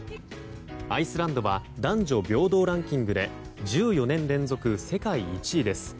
アイスランドは男女平等ランキングで１４年連続世界１位です。